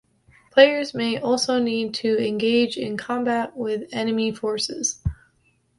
Players may also need to engage in combat with enemy forces.